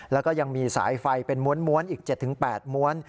แล้วก็ยังมีสายไฟเป็นม้วนอีก๗๘ม้วน